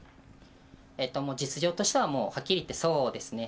もう実情としてはもうはっきり言ってそうですね。